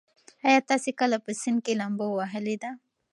ایا تاسي کله په سیند کې لامبو وهلې ده؟